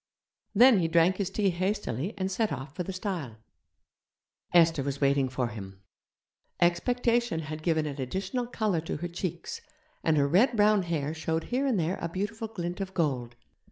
Then he drank his tea hastily and set off for the stile. Esther was waiting for him. Expectation had given an additional colour to her cheeks, and her red brown hair showed here and there a beautiful glint of gold.